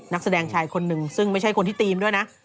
นักแสดงชายคนหนึ่งซึ่งไม่ใช่คนที่ธีมด้วยนะ